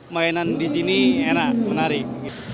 mainan di sini enak menarik